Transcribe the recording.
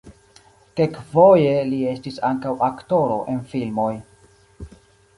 Kelkfoje li estis ankaŭ aktoro en filmoj.